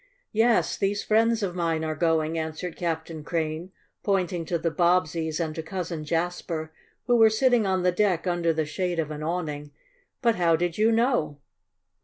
"Yes, these friends of mine are going," answered Captain Crane, pointing to the Bobbseys and to Cousin Jasper, who were sitting on the deck under the shade of an awning. "But how did you know?"